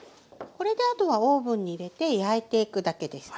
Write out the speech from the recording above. これであとはオーブンに入れて焼いていくだけです。